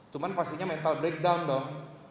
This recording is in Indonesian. cuman pastinya mental breakdown dong